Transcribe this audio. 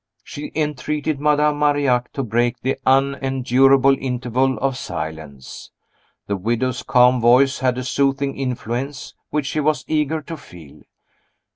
She entreated Madame Marillac to break the unendurable interval of silence. The widow's calm voice had a soothing influence which she was eager to feel.